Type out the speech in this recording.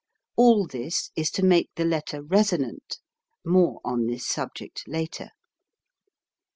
All this is to make the letter resonant more on this subject later.